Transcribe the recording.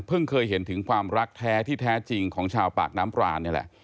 เคยเห็นถึงความรักแท้ที่แท้จริงของชาวปากน้ำปรานนี่แหละ